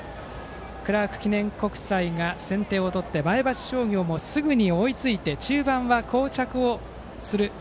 クラーク記念国際が先手を取って前橋商業もすぐに追いついて中盤はこう着する。